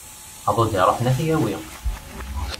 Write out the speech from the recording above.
Aḍu i d-iruḥen ad t-yawi.